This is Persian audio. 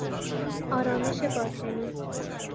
آرامش باطنی